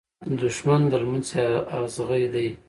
دښمن د لمڅی ازغي دی .